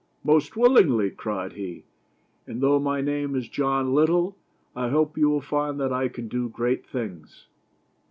" Most willingly," cried he, " and though my name is John Little, I hope you will find that I can do great things